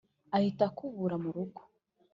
agahita akubura mu rugo